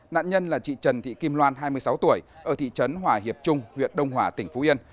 nạn nhân là chị trần thị kim loan hai mươi sáu tuổi ở thị trấn hòa hiệp trung huyện đông hòa tỉnh phú yên